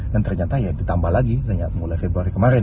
dan ternyata ya ditambah lagi mulai februari kemarin